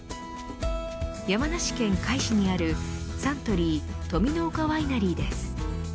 山梨県甲斐市にあるサントリー登美の丘ワイナリーです。